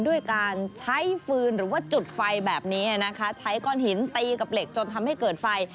ด้วยการใช้ฟืนหรือว่าจุดไฟแบบนี้นะคะใช้ก้อนหินตีกับเหล็กจนทำให้เกิดไฟ